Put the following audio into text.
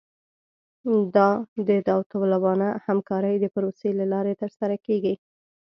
دا د داوطلبانه همکارۍ د پروسې له لارې ترسره کیږي